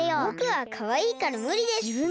ぼくはかわいいからむりです。